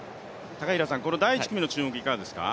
この第１組の注目、いかがですか。